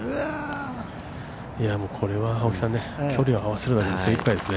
◆もうこれは青木さん、距離を合わせるだけで精いっぱいですね。